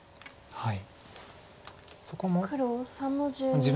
はい。